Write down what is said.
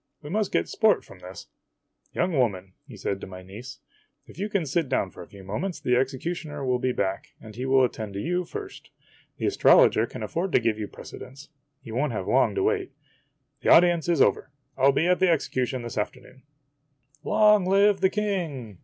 We must get sport from this. Young woman," said he to my niece, " if you can sit down for a few moments, the executioner will be back, and he will attend to you first. The astrologer can afford to give you prece dence. He won't have Ion" to wait. The audience is over. I '11 be o at the executions this afternoon." " Long live the King